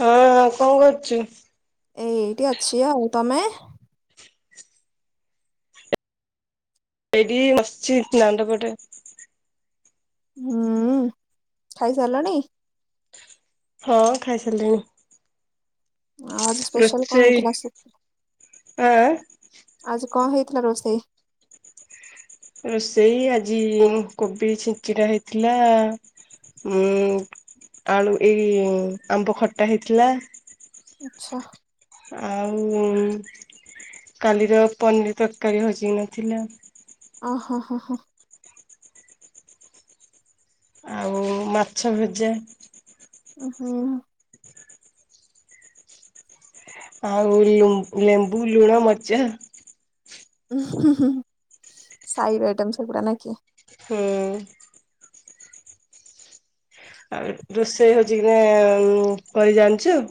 ହଁ କଣ କରୁଛୁ? ଏଇ ଏଇଠି ଅଛି ଆଉ। ତମେ? ଏଇଟି ବସିଚି ଦାଣ୍ଡ ପଟେ। ହୁଁ, ଖାଇ ସାରିଲଣି? ହଁ ଖାଇସାରିଲେଣି। ଆଉ ଆଜି ସ୍ପେଶାଲ କଣ ରୋଷେଇ ହେଇଥିଲା [unintelligible] ଆଁ ଆଜି କଣ ହେଇଥିଲା ରୋଷେଇ? ରୋଷେଇ ଆଜି କୋବି ଛିଞ୍ଚିଡା ହେଇଥିଲା। ଉଁ ଆଳୁ ଏଇ ଆମ୍ବ ଖଟା ହେଇଥିଲା। ଆଚ୍ଛା। ଆଉ କାଲିର ପନିର ତରକାରୀ ହଜି ନଥିଲା। ଓହୋ ହ, ହ। ଓ ମାଛ ଭେଜା। ହୁଁ। ଆଉ ଲେମ୍ବୁ ଲୁଣ ମଜା। ଉୁଁ ହିଁ ହିଁ ସାଇଜ ଆଇଟମ ସେଗୁଡା ନାଖିଆ। ହୁଁ। ଆଉ ରୋଷେଇ ହଉଛିକି ନାହିଁ କରି ଜାଣିଛୁ।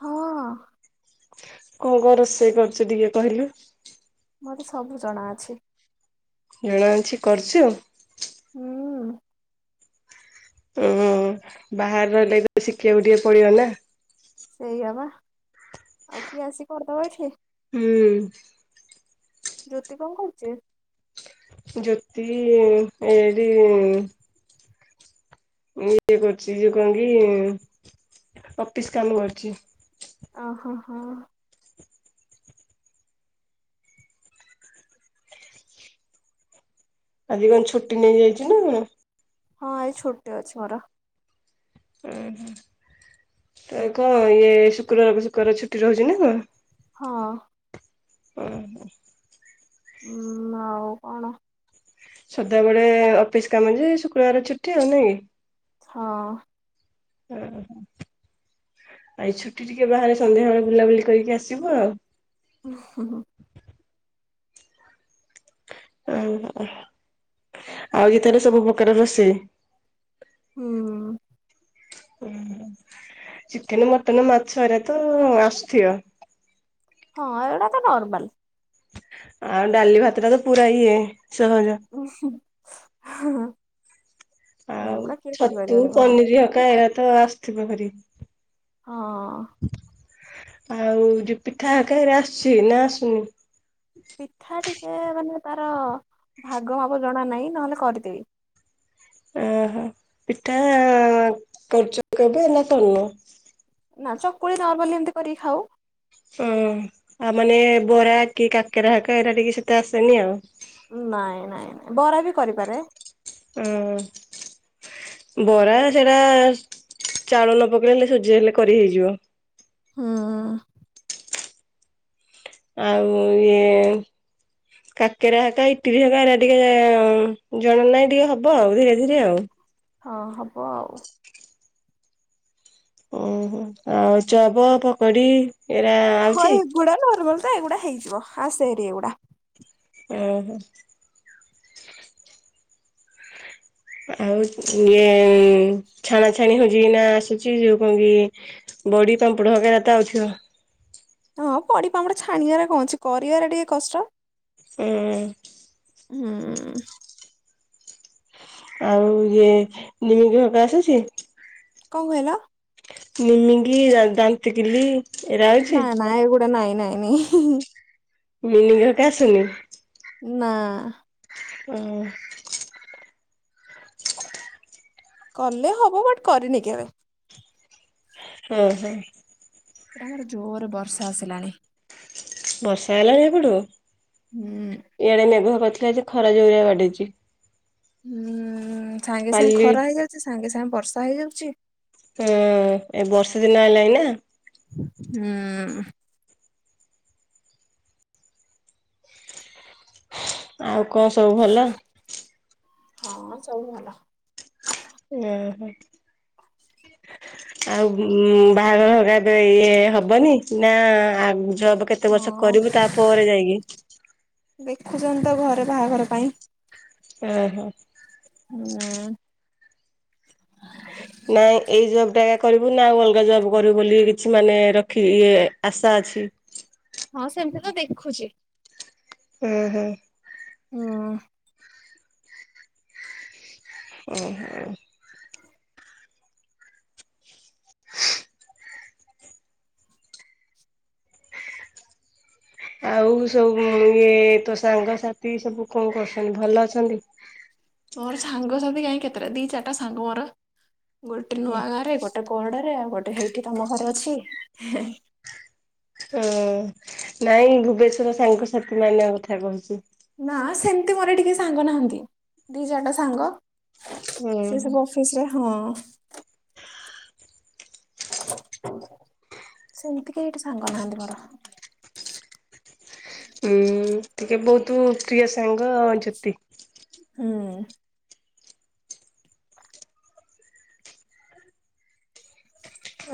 ହଁ କଣ କଣ ରୋଷେଇ କରୁଚୁ ଟିକେ କହିଲୁ? ମତେ ସବୁ ଜଣାଅଛି। ଜଣା ଅଛି କରିଚୁ। ଉୁଁ। ଉୁଁ ବାହାରେ ରହିଲେ ଶିଖିବାକୁ ଟିକେ ପଡିବନା। ସେୟାବା ଆଉ କିଏ ଆସି କରିଦବ ଏଠି। ହୁଁ। ଜ୍ୟୋତି କଣ କରୁଚି? ଜ୍ୟୋତି ଉୁଁ ଏଇଠି ଉୁଁ ଉୁଁ ଇଏ କରୁଚି ଇଏ କଣକି ଅଫିସ କାମ କରୁଚି। ଅ ହୋ ହୋ ଆଜି କଣ ଛୁଟି ନେଇଯାଇଚିନା କଣ? ହଁ ଏଇ ଛୁଟି ଅଛି ମୋର। ଅଁ ହଁ ତ କଣ ଇଏ ଶୁକ୍ରବାରକୁ ଶୁକ୍ରବାର ଛୁଟି ରହୁଛିନା କଣ? ହଁ। [unintelligible] ଉୁଁ ଆଉ କଣ? ସଦାବେଳେ ଅଫିସ କାମଯେ ଶୁକ୍ରବାରେ ଛୁଟି ଆଉ ନୁହେଁକି। ହଅ। ଓହୋ ଆୟ ଛୁଟି ଟିକିଏ ବାହାରେ ସନ୍ଧ୍ୟାବେଳେ ବୁଲାବୁଲି କରିକି ଆସିବୁ ଆଉ ଉୁଁ ହୁଁ ହୁଁ [unintelligible] ଆଉ ଇଏତାର ସବୁ ପ୍ରକାର ରୋଷେଇ। ଉୁଁ। ଚିକେନ ମଟନ ମାଛ ଏରାତ ଆସୁଥିବ। ହଁ ଏଇଗୁଡାତ ନର୍ମାଲ। ଆଉ ଡାଲି ଭାତଟାତ ପୁରା ଇଏ ସହଜ। ଉୁଁ ହିଁ ହଁ ହଁ ଆଉ ଛତୁ କରିପାରିବନି ଘର ପନିର ହକା ଏରାତ ଆସିଥିବ କରି। ହଁ। ଆଉ ଯୋଉ ପିଠା ହେରିକା ଆସୁଛି ନା ଆସୁନି ପିଠା ଟିକେ ମାନେ ତାର ଭାଗ ମାପ ଜଣା ନାହିଁ ନହେଲେ କରିଦେବି। ଓହୋ ପିଠା କରୁଛ କେବେ ନା କରୁନ। ନା ଚକୁଳି ନର୍ମାଲି ଏମିତି କରିକି ଖାଉ। ଉୁଁ ଆଉ ମାନେ ବରା କି କାକେରା ହେରିକା ଏରା ଟିକିଏ ସେତେ ଆସେନି ଆଉ ନାଇଁ ନାଇଁ ନାଇଁ ବରାବି କରିପାରେ। ଉୁଁ ହୁଁ ବରା ସେରା ଚାଉଳ ନପକେଇଲେ ହେଲେ ସୁଝି ହେଲେ କରି ହେଇଯିବ। ହୁଁ ଉୁଁ ଉୁଁ ଆଉ ଇଏ ଏଁ। କାକେରା ହେରିକା ଇଟିରି ହେରିକା ଏରା ଟିକେ ଜଣାନାହିଁ ଟିକେ ହବ ଆଉ ଧୀରେ ଧୀରେ ଆଉ ହଁ ହବ ଆଉ। ଉଁହୁଁ ଆଳୁଚପ ପକୋଡି ଏରା ହଁ ଆଉଛି ଏଗୁଡା ନର୍ମାଲତ ଏଗୁଡା ହେଇଯିବ ଆସେହେରି ଏଗୁଡା। ଉଁ ହୁଁ। ଆଉ ଇଏ ଛାଣା ଛଣି ହୋଉଛିି ନା ଆସୁଛି ଯୋଉ କଣ କି ବଡି ପାମ୍ପଡ ସେଟା ତ ଆଉଥିବ। ହଁ ବଡି ପାମ୍ପଡ ଛାଣିବାରେ କଣ ଅଛି କରିବାରେ ଟିକେ କଷ୍ଟ। ହୁଁ। ହୁଁ। ଆଉ ଇଏ ନିମିକି ହେକା ଆସୁଛି। କଣ କହିଲ। ନିମିକି ଦାନ୍ତକିଲି। ଏରା ଆଉଛି ନା ନା ଏଗୁଡା ନାଇଁ ନାଇଁ ନାଇଁ। ନମିକି ହେକା ଆସୁନି। ନାଁ। ଉଁ। କଲେ ହବ ବଟ୍ କରିନି କେବେ। ଉଁ ହୁଁ। ଆମର ଜୋରେ ବର୍ଷା ଆସିଲାଣି। ବର୍ଷା ଆଇଲାଣି ହେପଟୁ। ହୁଁ। ଇଆଡେ ମେଘୁଆ କରିଥିଲା ଯେ ଖରା ଜୋରିଆ ବାଡେଇଛି। ହୁଁ ସାଙ୍ଗେ କାଲି ସାଙ୍ଗେ ଖରା ହେଇଯାଉଛି ସାଙ୍ଗେ ସାଙ୍ଗେ ବର୍ଷା ହେଇଯାଉଛି। ହୁଁ ଏ ବର୍ଷା ଦିନ ଆଇଲାଣି ନା। ହୁଁ। ଆଉ କଣ ସବୁ ଭଲ। ହଁ ସବୁ ଭଲ। ଉଁ। ଆଉ ବାହାଘର ହେକା ଏବେ ଇଏ ହବନି ନା ଆ ଜବ କେତେ ବର୍ଷ ହଁ କରିବୁ ତା ପରେ ଯାଇକି। ଦେଖୁଛନ୍ତି ତ ଘରେ ବାହାଘର ପାଇଁ। ଓହୋ। ନାଁ। ନାଇଁ ଏଇ ଜବ ଟା ଏକା କରିବୁ ନା ଆଉ ଅଲଗା ଜବ୍ କରିବୁ ବୋଲି କିଛି ମାନେ ରଖି ଇଏ ଆଶା ଅଛି। ହଁ ସେମିତି ତ ଦେଖୁଛି। ଉଁ ହୁଁ। ହୁଁ। ଉଁ ହୁଁ। ଆଉ ସବୁ ଇଏ ତୋ ସାଙ୍ଗସାଥି ସବୁ କଣ କରୁଛନ୍ତି ଭଲ ଅଛନ୍ତି। ମୋର ସାଙ୍ଗ ସାଥି କାହିଁ କେତେଟା ଦି ଚାରିଟା ସାଙ୍ଗ ମୋର ଗୋଟେ ହୁଁ। ନୂଆ ଗାଁରେ ଗୋଟେ ଗୋଟେ କୋରଡାରେ ଆଉ ଗୋଟେ ହେଇଠି ତମ ଘର ଅଛି। ହୁଁ, ନାଇଁ ଭୁବନେଶ୍ୱର ସାଙ୍ଗସାଥି ମାନଙ୍କ କଥା କହୁଛି। ନା ସେମିତି ମୋର ଏଠି କେହି ସାଙ୍ଗ ନାହାଁନ୍ତି ଦି ଚାରିଟା ସାଙ୍ଗ ସେ ହୁଁ। ସବୁ ଅ ଫିସରେ ହଁ। ସେମିତି କେହି ଏଇଠି ସାଙ୍ଗ ନାହାନ୍ତି ମୋର। ଉଁ ଟିକେ ବହୁତ ପ୍ରିୟ ସାଙ୍ଗ ଜ୍ୟୋତି। ହୁଁ।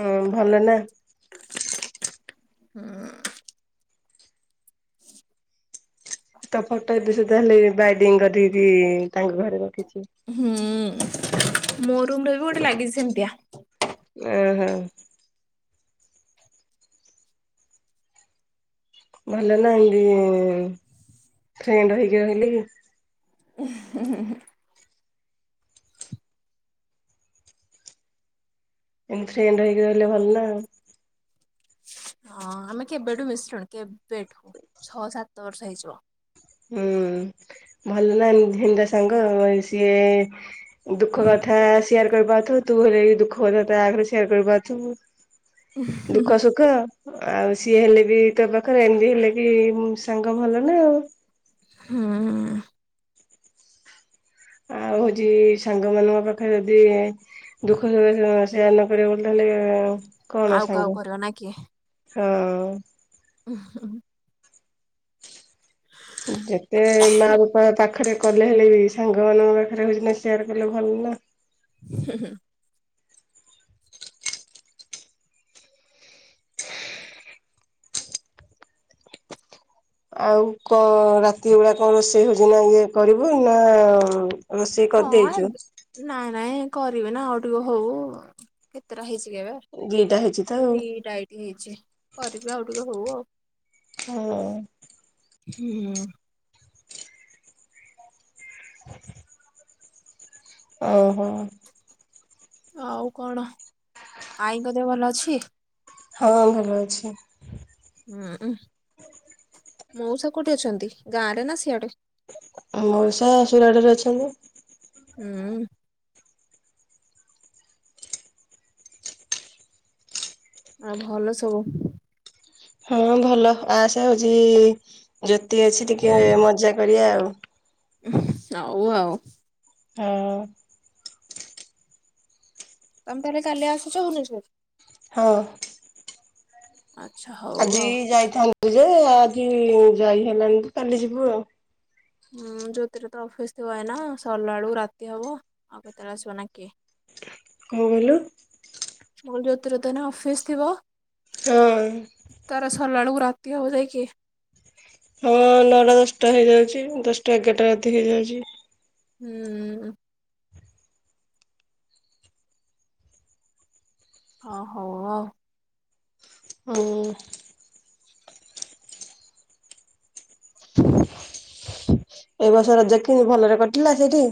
ହଁ ଭଲ ନା। [inaudible] ହୁଁ [inaudible] ତୋ ଫଟୋ ଏବେ ସୁଦ୍ଧା ଲେ ବାଇଡିଙ୍ଗ କରିକି ତାଙ୍କ ଘରେ ରଖିଛି। ହୁଁ ମୋ ରୁମରେ ବି ଗୋଟେ ଲାଗିଛି ସେମିତିଆ। ଓ ହୋ। ଭଲ ନା ଏମିତି ଫ୍ରେଣ୍ଡ ହେଇକି ରହିଲି। [unintelligible] ଏମ ଫ୍ରେଣ୍ଡ ହେଇକି ରହେ ଭଲ ନା ଆଉ। ହଁ ଆମେ କେବେଠୁ ମିଶିଲୁଣି କେବେଠୁ ଛଅ ସାତ ବର୍ଷ ହେଇଯିବ। ହୁଁ ଭଲ ନା ନି ହିନ୍ଦା ସାଙ୍ଗ ସିଏ ଦୁଃଖ କଥା ସେୟାର କରିପାରୁଥିବୁ, ତୁ ହେଲେ ଦୁଃଖ କଥା ତା ଆଗରେ ସେୟାର କରିପାରୁଥୁବୁ। ଦୁଃଖ ସୁ ଖ ଆଉ ସିଏ ହେଲେ ବି ତୋ ପାଖରେ ଏମିତି ହେଲେ ବି ସାଙ୍ଗ ଭଲ ନା ଆଉ। ହୁଁ ହୁଁ। ଆଉ ହଉଛି ସାଙ୍ଗ ମାନଙ୍କ ପାଖରେ ଯଦି ଦୁଃଖ ସୁଖ ନ [unintelligible] କରିବା ବୋଲି ହେଲେ କଣ ଆଉ କାହାକୁ ସାଙ୍ଗ କରିବ ନା କି? ହଁ। [unintelligible] ଯେତେ ମା ବାପା ପାଖରେ କଲେ ହେଲେ ବି ସାଙ୍ଗମାନଙ୍କ ପାଖରେ ବିଜନେସ ସେୟାର କଲେ ଭଲ ନା। ହୁଁ ହୁଁ। ଆଉ କଣ ରାତି ଓଳା କଣ ରୋଷେଇ ହଉଛି ନା ଇଏ କରିବୁ ନା ରୋଷେଇ ହଁ କରିଦେଇଛୁ ଏବେ ନାଇଁ ନାଇଁ କରିବି ନା ଆଉ ଟିକେ ହଉ, କେତେଟା ହେଇଛି ଏବେ ଦିଟା ହେଇଛି ତ ଆଉ ଦିଟା ଇଟିଲ୍ ହେଇଛି, କରିବି ଆଉ ଟିକେ ହଉ ଆଉ ହଁ। ହୁଁ। ଓହୋ। ଆଉ କଣ। ଆଈଙ୍କ ଦେହ ଭଲ ଅଛି? ହଁ ଭଲ ଅଛି। ହୁଁ, ମଉସା କୋଉଠି ଅଛନ୍ତି? ଗାଁ ରେ ନା ସିଆଡେ। ମଉଶା ସୁରାଟ ରେ ଅଛନ୍ତି। ହୁଁ। ଆଉ ଭଲ ସବୁ? ହଁ ଭଲ। ଆସ ହଉଛି ଜ୍ୟୋତି ଅଛି ଟିକେ ମଜା କରିବା ଆଉ। ହଉ ଆଉ। ହଁ। ତମେ ତାହେଲେ କାଲି ଆସୁଛ ଭୁବନେଶ୍ୱର ହଁ। ଆଚ୍ଛା ହ ଆଜି ଯାଇଥାନ୍ତୁ ଯେ ଆଜି ଯାଇ ହେଲାଣି ତ କାଲି ଯିବୁ ଆଉ। ହଁ ଯୋଉଥିରେ ତ ଅଫିସ ଥିବ ଏନା ସରିଲା ବେଳୁ ରାତି ହବ ଆଉ କେତେବେଳେ ଆସିବ ନା କିଏ କଣ କହିଲୁ? ପୁଲ୍ ଯୋଉତୁରେ ତାନେ ଅଫିସ ଥିବ? ହଁ। ତାର ସର୍ଲାଳୁକୁ ରାତି ହବ ଯାଇ କି। ହଁ ନଟା ଦଶଟା ହେଇଯାଉଚି, ଦଶଟା ଏଗାରଟା ରାତି ହେଇଯାଉଛି। ହୁଁ-ଉ। ଅହୋ-ଓ। ହୁଁ। ଏ ବର୍ଷ ରଜ କିମି ଭଲରେ କଟିଲା ସେଠି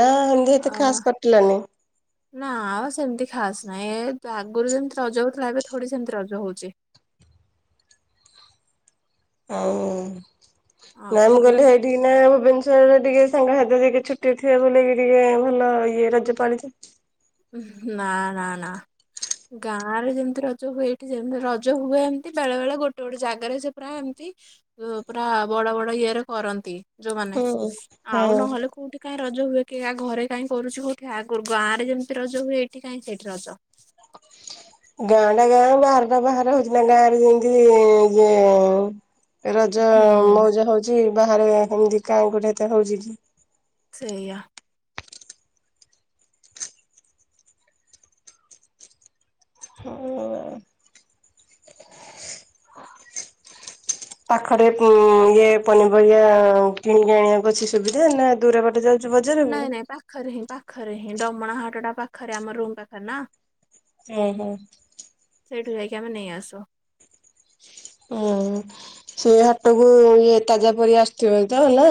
ନା ଏମିତି ଅ ଏତେ ଖାସ କଟିଲାନି? [unintelligible] ନା ଆଉ ସେମିତି ଖାସ୍ ନାହିଁ ଏ ଆଗରୁ ଯେମିତି ରଜ ହୋଉଥିଲା ଏବେ ଥୋଡି ସେମିତି ରଜ ହୋଉଚି। ହୋଉ ନାଁ ମୁଁ ଆଗରୁ କଲି ହେଇ ଡିନା ଭୁବନେଶ୍ୱରରେ ଟିକେ ସାଙ୍ଗ ସାତି ଟିକେ ଛୁଟି ଥିବ ବୋଲିକି ଟିକେ ଭଲ ଇଏ ରଜ ପାଳିଚି। ନାଁ ନା ନା। ଗାଁ ରେ ଯେମତି ରଜ ହୁଏ ଏଠି ଯେମ୍ ରଜ ହୁଏ ଏମିତି ବେଳେ ବେଳେ ଗୋଟେ ଗୋଟେ ଜାଗାରେ ସେ ପ୍ରାୟ ଏମତି ଉଁ ପୁରା ବଡ ବଡ ଇଏରେ କରନ୍ତି ଯୋଉମାନେ ହୁଁ ଆଉ ହଁ ନହେଲେ କୋଉଠି କାଇଁ ରଜ ହୁଏ କି ଆ ଘରେ କାଇଁ କରୁଛୁ, ଉଠି ଆଗୁ ଗାଁରେ ଯେମିତି ରଜ ହୁଏ ଏଠି କାଇଁ ସେଠି ରଜ? [unintelligible] ଗାଁ ଟା ଗାଁ ବାହାର ଟା ବାହାର ହଉଛି ନା ଗାଁରେ ଯେମିତି-ଇଁ ଇଏଁ ରଜ-ଅ ହୁଁ ମୋଉଜ ହଉଛି ବାହାରେ ଏମିତି କାଁ କୋଟି ଏତେ ହଉଛି କି? ସେଇଆ। ହୁଁ। ପାଖରେ ଉଁ ଇଏ ପନିପରିବା କିଣିକି ଆଣିବାକୁ ଅଛି ସୁବିଧା ନା ଦୂର ବାଟେ ଯାଉ ନାଇଁ ନାଇଁ ପାଖରେ ହିଁ ପାଖରେ ହିଁ ଡମଣା ହାଟଟା ପାଖରେ ଆମ ରୁମ୍ ପାଖରେ ନା। ହୁଁ ହୁଁ। ସେଇଠୁ ଯାଇକି ଆମେ ନେଇ ଆସୁ। ଓ ସେ ହାଟକୁ ଇଏ ତାଜା ପରିବା ଆସିଥିବ ତ ନା?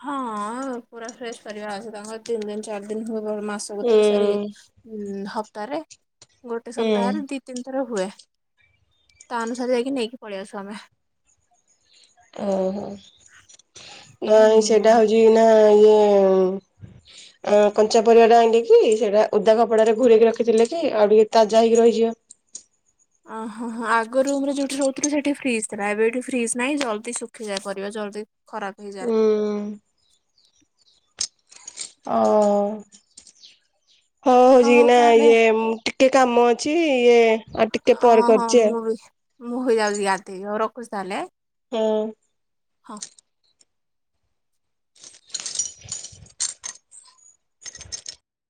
ହଁ-ଅ ପୁରା ଫ୍ରେଶ ପରିବା ଆସୁ ତାଙ୍କର ତିନି ଦିନ୍ ଚାରି ଦିନ୍ ହୁ ବର୍ ମାସକୁ ହୁଁ ତ ସରି ଉଁ ହପ୍ତାରେ ଗୋଟେ ସପ୍ତାହରେ ଦି ତିନ୍ ଥର ହୁଏ ତା ଅନୁସାରେ ଯାଇକି ନେଇକି ପଳି ଆସୁ ଆମେ। ଓ ନାଇଁ ସେଇଟା ହୁଁ। ହୋଉଚି ନାଁ ଇଏ-ଏ ଅଁ କଞ୍ଚା ପରିବା ଟା ଆଇଁଲିକି ସେଇଟା ଉଦା କପଡାରେ ଘୁରେଇକି ରଖିଥିଲେ କି ଆଉ ଟିକେ ତାଜା ହେଇକି ରହିଯିବ। ଓହୋ ହଁ ଆଗରୁୁମରେ ଯୋଉଠି ରୋହୁଥିଲୁ ସେଠି ଫ୍ରିଜ ଥିଲା ଏବେ ଏଇଠି ଫ୍ରିଜ୍ ନାଇଁ ଜଲ୍ଦି ଶୁଖି ଯାଏ ପରିବା ଜଲ୍ଦି ଖରାପ ହେଇଯାଏ ହୁଁ। ଓ-ଓ। ହଉ ହଁ ହଉଚି କି ହଉ ନା ତାହେଲେ ଇଏ ମ ଟିକେ କାମ ଅଛି ଇଏ ଆ ଟିକେ ଅ ପରେ ହଁ କରିଚି ଆ। ମୁଁ ବି ମୁଁ ହେଇ ଯାଉଚି ଗାଧି ହଉ ରଖୁଚି ତାହେଲେ? ଏଁ। ହଁ। [inaudible]